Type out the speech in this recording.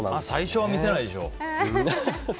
最初は見せないでしょ。